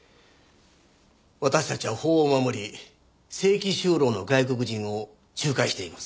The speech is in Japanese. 私たちは法を守り正規就労の外国人を仲介しています。